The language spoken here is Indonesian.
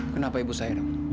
kenapa ibu saira